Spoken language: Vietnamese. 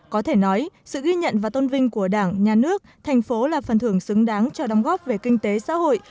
có thể nói sự ghi nhận và tôn vinh của đảng nhà nước thành phố là phần thưởng xứng đáng cho đóng góp về kinh tế xã hội